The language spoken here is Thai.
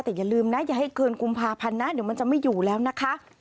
แต่อย่าลืมนะอย่าให้คืนกุมภาพันธ์นะเดี๋ยวมันจะไม่อยู่แล้วนะคะ